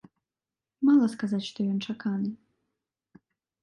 Мала сказаць, што ён чаканы.